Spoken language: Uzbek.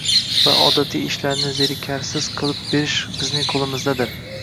va odatiy ishlarini zerikarsiz qilib berish bizning qo‘limizdadir.